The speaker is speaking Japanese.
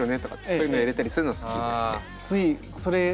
そういうのを入れたりするのが好きですね。